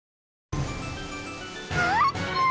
あーぷん！